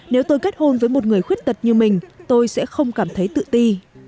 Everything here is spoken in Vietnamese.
nếu tôi kết hôn với một người khuyết tật như mình tôi sẽ không cảm thấy tự ti